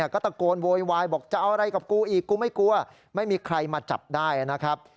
ก็ตะโกนโวยวายบอกจะเอาอะไรกับกูอีกกูไม่กลัวไม่มีใครมาจับได้นะครับ